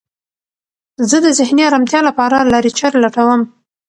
زه د ذهني ارامتیا لپاره لارې چارې لټوم.